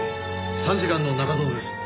参事官の中園です。